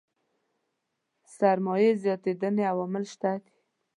سرمايې زياتېدنې عوامل شته دي.